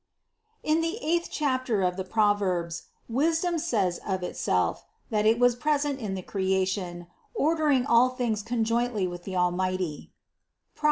In the eighth chapter of the Proverbs, Wisdom says of Itself, that It was present in the Creation, or dering all things conjointly with the Almighty (Prov.